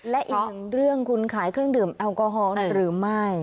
และอีกหนึ่งเรื่องคุณขายเครื่องดื่มแอลกอฮอล์หรือไม่